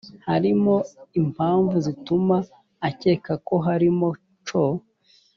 harimo impamvu zituma akeka ko harimo co